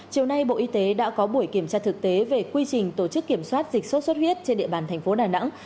chiều nay bộ y tế đã có buổi kiểm tra thực tế về quy trình tổ chức kiểm soát dịch sốt xuất huyết trên địa bàn thành phố đà nẵng